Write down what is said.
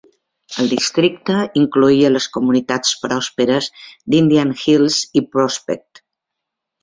El districte incloïa les comunitats pròsperes d'Indian Hills i Prospect.